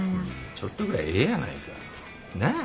ちょっとぐらいええやないか。なあ？